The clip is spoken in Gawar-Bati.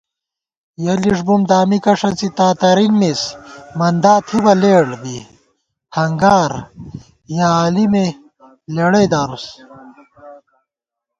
یَہ لِݭ بُم دامِکہ ݭڅی تاترِن مِز مندا تھِبہ لېڑ بی ہنگار یَہ عالِمےلېڑئی دارُس